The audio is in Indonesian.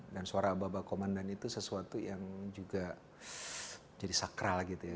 dan suara ababa komandan itu sesuatu yang juga jadi sakral gitu ya